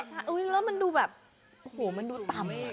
ใช่แล้วมันดูแบบโอ้โหมันดูต่ำ